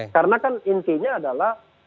karena kan intinya adalah